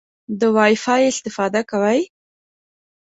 د وای فای استفاده کوئ؟